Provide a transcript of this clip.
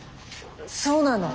そうなの。